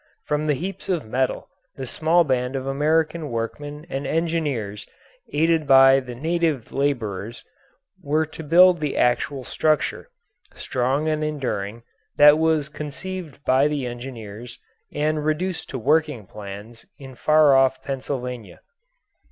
From the heaps of metal the small band of American workmen and engineers, aided by the native labourers, were to build the actual structure, strong and enduring, that was conceived by the engineers and reduced to working plans in far off Pennsylvania.